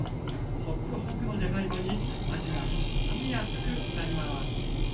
ホクホクのじゃがいもに味がからみやすくなります。